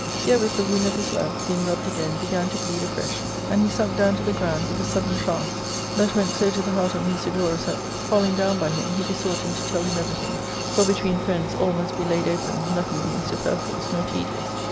Herewith the wound of his love, being rubbed again, began to bleed afresh, and he sunk down to the ground with a sud den trance that went so to the heart of Musidorus that, fall ing down by him, he besought him to tell him everything, for, between friends, all must be laid open, nothing being superfluous nor tedious.